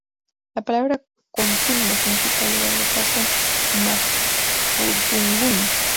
La palabra contulmo significa "lugar de paso" en mapudungún.